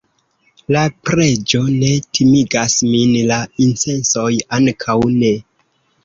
la preĝo ne timigas min, la incensoj ankaŭ ne.